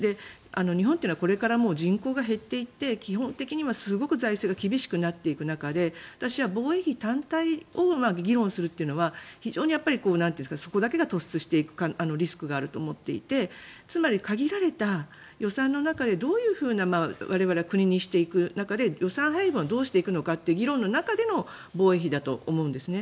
日本というのはこれから人口が減っていて財政が厳しくなっていく中で私は防衛費単体を議論するというのはそこだけが突出していくリスクがあると思っていてつまり限られた予算の中でどういうふうな、我々は国にしていく中で予算配分をどうしていくのかという議論の中での防衛費だと思うんですね。